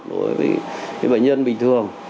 đối với bệnh nhân bình thường